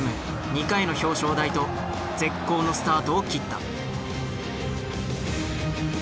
２回の表彰台と絶好のスタートを切った。